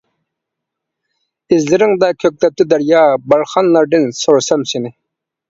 ئىزلىرىڭدا كۆكلەپتۇ دەريا، بارخانلاردىن سورىسام سېنى.